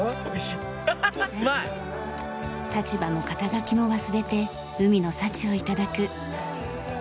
立場も肩書も忘れて海の幸を頂く。